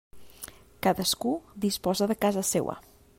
Cadascú disposa de casa seua.